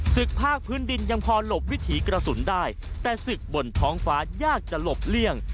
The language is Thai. ศึกภาคพื้นดินยังพอหลบวิถีกระสุนได้แต่ศึกบนท้องฟ้ายากจะหลบเลี่ยง